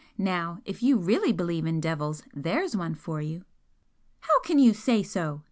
Now, if you really believe in devils, there's one for you!" "How can you say so?"